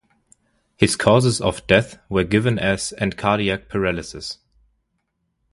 His causes of death were given as and cardiac paralysis.